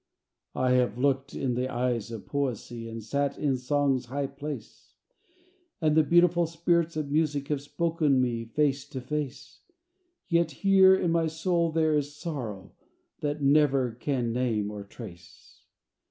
VI I have looked in the eyes of Poesy, And sat in Song's high place; And the beautiful Spirits of Music Have spoken me face to face; Yet here in my soul there is sorrow They never can name or trace.